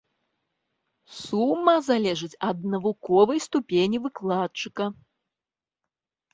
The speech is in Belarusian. Сума залежыць ад навуковай ступені выкладчыка.